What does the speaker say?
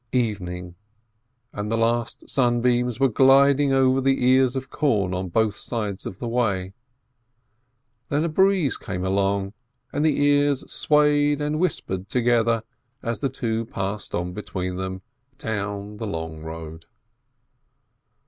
Evening, and the last sunbeams were gliding over the ears of corn on both sides of the way. Then a breeze came along, and the ears swayed and whispered together, as the two passed on between them down the long road.